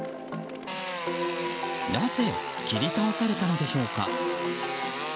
なぜ、切り倒されたのでしょうか。